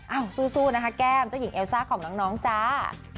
สู้นะคะแก้มเจ้าหญิงเอลซ่าของน้องจ้า